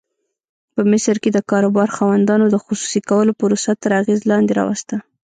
په مصر کې د کاروبار خاوندانو د خصوصي کولو پروسه تر اغېز لاندې راوسته.